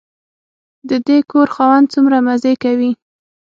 د دې کور خاوند څومره مزې کوي.